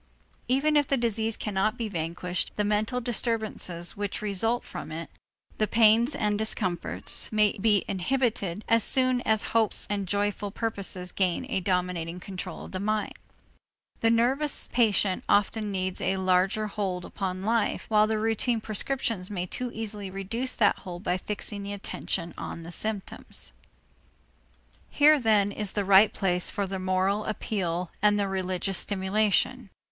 Even if the disease cannot be vanquished, the mental disturbances which result from it, the pains and discomforts, may be inhibited, as soon as hopes and joyful purposes gain a dominating control of the mind. The nervous patient often needs a larger hold upon life, while the routine prescriptions may too easily reduce that hold by fixing the attention on the symptoms. Here then is the right place for the moral appeal and the religious stimulation.